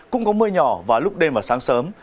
cũng có mưa nhỏ vào lúc đêm và sáng sớm